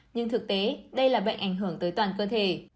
nhưng thực tế đây là bệnh ảnh hưởng tới toàn cơ thể